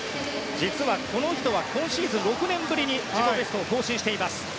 実は、この人は今シーズン６年ぶりに自己ベストを更新しています。